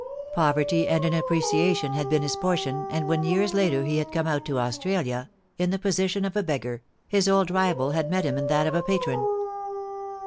Poverty and inappreciation had been his portion, and when years later he had come out to Australia, in the position of a beggar, his old rival had met him in that of a patron.